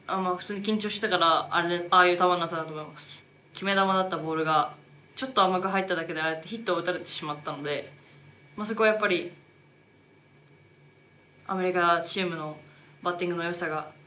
決め球だったボールがちょっと甘く入っただけでああやってヒットを打たれてしまったのでそこはやっぱりアメリカチームのバッティングのよさがにじみ出ていたのかなと思いますし。